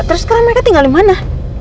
terus karena mereka tinggal dimana